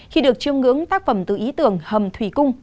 khi được chiêm ngưỡng tác phẩm từ ý tưởng hầm thủy cung